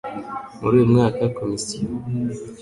Muri uyu mwaka Komisiyo